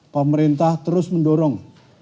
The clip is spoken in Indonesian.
pemerintah terus mendorong